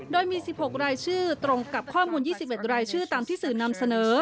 โดยมี๑๖รายชื่อตรงกับข้อมูล๒๑รายชื่อตามที่สื่อนำเสนอ